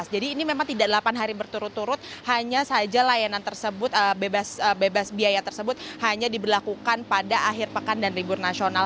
jadi ini memang tidak delapan hari berturut turut hanya saja layanan tersebut bebas biaya tersebut hanya diberlakukan pada akhir pekan dan ribur nasional